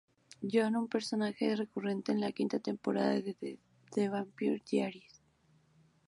John, un personaje recurrente en la quinta temporada de "The Vampire Diaries".